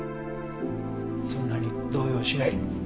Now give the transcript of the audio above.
そんなに動揺しない。